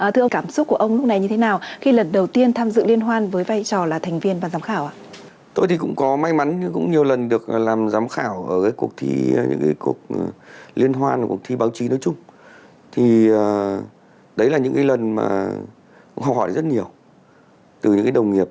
thưa ông cảm xúc của ông lúc này như thế nào khi lần đầu tiên tham dự liên hoan với vai trò là thành viên